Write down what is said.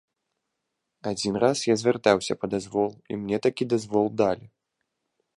Адзін раз я звяртаўся па дазвол, і мне такі дазвол далі.